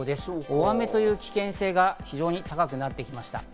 大雨という危険性が非常に高くなってきました。